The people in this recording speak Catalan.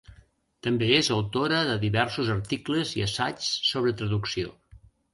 També és autora de diversos articles i assaigs sobre traducció.